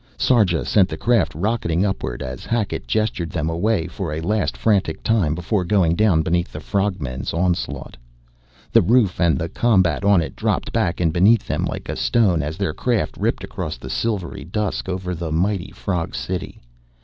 Sarja sent the craft rocketing upward, as Hackett gestured them away for a last frantic time before going down beneath the frog men's onslaught. The roof and the combat on it dropped back and beneath them like a stone as their craft ripped across the silvery dusk over the mighty frog city.